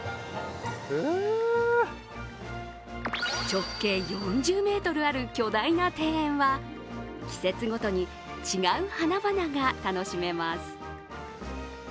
直径４０ｍある巨大な庭園は季節ごとに違う花々が楽しめます。